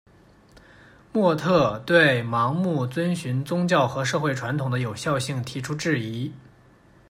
莫特对盲目遵循宗教和社会传统的有效性提出质疑。